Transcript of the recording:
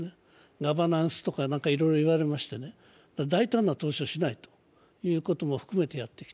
ナバナンスとかいろいろ言われまして大胆な投資をしないとも言われてきた。